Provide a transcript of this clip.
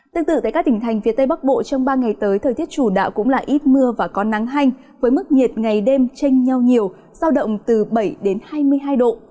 tương tự tại các tỉnh thành phía tây bắc bộ trong ba ngày tới thời tiết chủ đạo cũng là ít mưa và có nắng hanh với mức nhiệt ngày đêm tranh nhau nhiều giao động từ bảy đến hai mươi hai độ